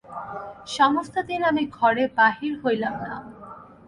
সমস্তদিন আমি ঘরে বাহির হইলাম না।